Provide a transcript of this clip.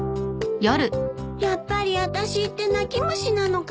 やっぱりあたしって泣き虫なのかな。